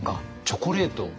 チョコレートを。